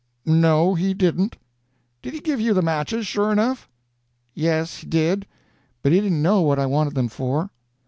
"No, he didn't." "Did he give you the matches, sure enough?" "Yes, he did; but he didn't know what I wanted them for."